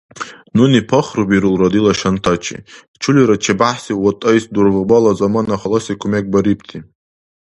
Нуни пахрубирулра дила шантачи, чулира ЧебяхӀси ВатӀайс дургъбала замана халаси кумек барибти.